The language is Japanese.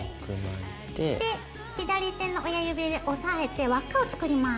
左手の親指で押さえて輪っかを作ります。